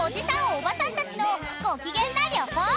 おばさんたちのご機嫌な旅行！］